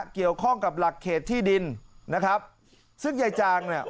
เกี่ยวข้องกับหลักเขตที่ดินนะครับซึ่งยายจางเนี่ย